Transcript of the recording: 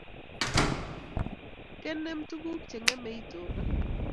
Kenem tukuk Che ng'emei itonda